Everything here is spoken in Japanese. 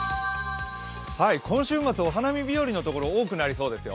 今週末、お花見日和のところ多くなりそうですよ。